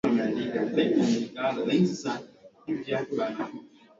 sikiliza rfi kiswashili